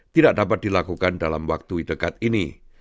tidak dapat dilakukan dalam waktu dekat ini